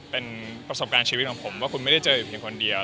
เป็นประสบการณ์ชีวิตของผมว่าคุณไม่ได้เจออยู่เพียงคนเดียว